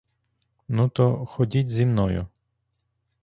— Ну, то ходіть зі мною!